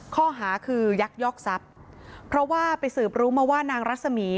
ข้อหาคือยักยอกทรัพย์เพราะว่าไปสืบรู้มาว่านางรัศมี